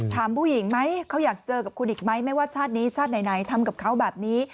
ถามผู้หญิงไหมเขาอยากเจอกับคุณอีกไหมไม่ว่าชาตินี้ชาติไหนทำกับเขาแบบนี้